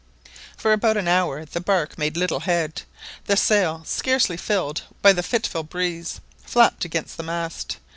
For about an hour the bark made little head. The sail, scarcely filled by the fitful breeze, flapped against the mast.